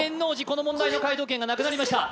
この問題の解答権がなくなりました